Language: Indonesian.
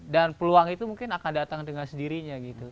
dan peluang itu mungkin akan datang dengan sendirinya gitu